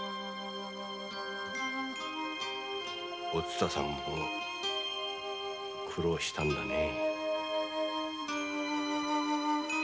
お蔦さんも苦労したんだね。